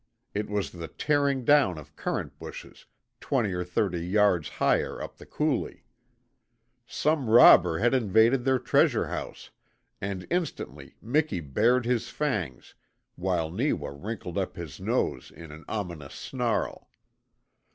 It was the tearing down of currant bushes twenty or thirty yards higher up the coulee. Some robber had invaded their treasure house, and instantly Miki bared his fangs while Neewa wrinkled up his nose in an ominous snarl.